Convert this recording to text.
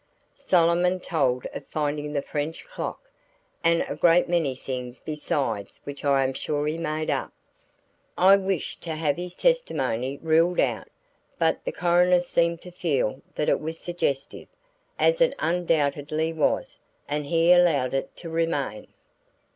Solomon told of finding the French clock, and a great many things besides which I am sure he made up. I wished to have his testimony ruled out, but the coroner seemed to feel that it was suggestive as it undoubtedly was and he allowed it to remain.